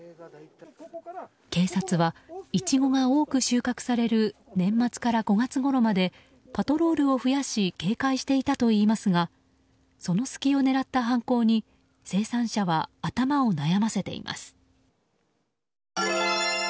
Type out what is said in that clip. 警察は、イチゴが多く収穫される年末から５月ごろまでパトロールを増やし警戒していたといいますがその隙を狙った犯行に生産者は頭を悩ませています。